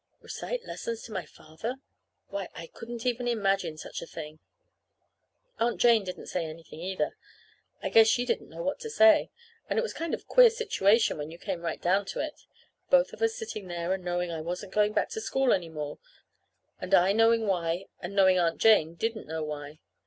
Recite lessons to my father? Why, I couldn't even imagine such a thing! Aunt Jane didn't say anything either. I guess she didn't know what to say. And it was kind of a queer situation, when you came right down to it. Both of us sitting there and knowing I wasn't going back to school any more, and I knowing why, and knowing Aunt Jane didn't know why.